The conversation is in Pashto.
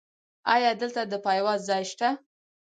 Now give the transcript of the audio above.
ایا دلته د پایواز ځای شته؟